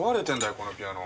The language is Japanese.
このピアノ。